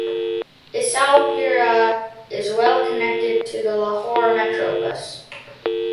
Islampura is well connected to the Lahore metro bus.